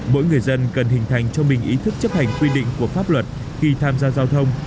mỗi người dân cần hình thành cho mình ý thức chấp hành quy định của pháp luật khi tham gia giao thông